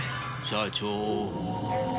社長。